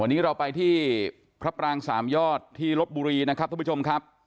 วันนี้เราไปที่พระปรางสามยอดที่ลบบุรีนะครับท่านผู้ชมครับ